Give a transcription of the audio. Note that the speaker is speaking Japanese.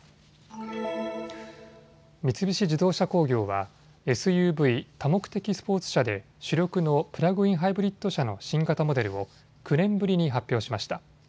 三菱自動車工業はＳＵＶ・多目的スポーツ車で主力のプラグインハイブリッド車の新型モデルを９年ぶりに発表しました。